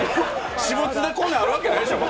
私物でこんなんあるわけないでしょう。